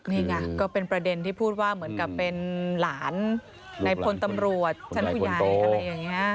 เนี้ยฮะก็เป็นประเด็นที่พูดว่าเหมือนกับเป็นหลานในผลตำรวจฉันคุณยายอะไรอย่างเงี้ย